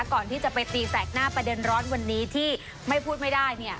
ก่อนที่จะไปตีแสกหน้าประเด็นร้อนวันนี้ที่ไม่พูดไม่ได้เนี่ย